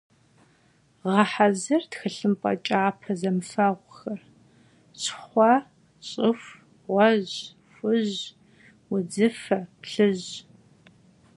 Ğehezır txılhımp'e ç'ape zemıfeğuxer: şxhue, ş'ıxu, ğuej, xuj, vudzıfe, plhıj.